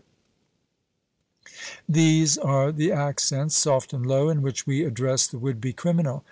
These are the accents, soft and low, in which we address the would be criminal.